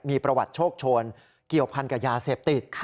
มีประวัติโชคโชนเกี่ยวพันกับยาเสพติด